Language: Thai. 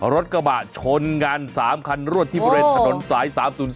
รถกระบะชนกัน๓คันรวดที่บริเวณถนนสาย๓๐๔